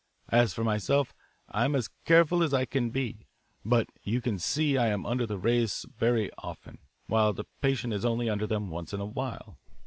As for myself, I'm as careful as I can be, but you can see I am under the rays very often, while the patient is only under them once in a while."